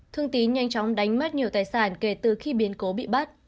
thương tín nhanh chóng đánh mất nhiều tài sản kể từ khi biến cố bị bắt